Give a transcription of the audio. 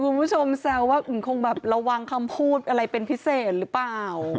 คุณผู้ชมแซวว่าอุ๋มคงแบบระวังคำพูดอะไรเป็นพิเศษหรือเปล่า